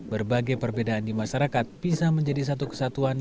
berbagai perbedaan di masyarakat bisa menjadi satu kesatuan